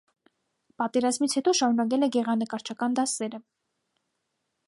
Պատերազմից հետո շարունակել է գեղանկարչական դասերը։